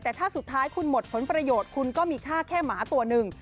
แต่ถ้าสุดท้ายคุณหมดผลประโยชน์คุณก็มีค่าแค่หมาตัวหนึ่ง